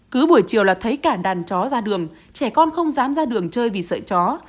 cứ buổi chiều là thấy cả đàn chó ra đường trẻ con không dám ra đường chơi vì sợi chó